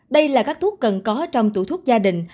đây là các thuốc cần có trong tủ thuốc gia đình